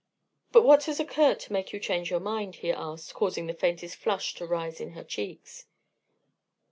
"But what has occurred to make you change your mind?" he asked, causing the faintest flush to rise in her cheeks.